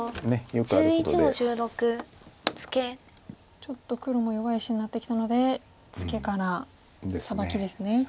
ちょっと黒も弱い石になってきたのでツケからサバキですね。ですね。